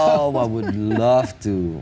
oh saya akan suka